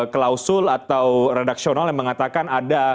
klausul atau redaksional yang mengatakan ada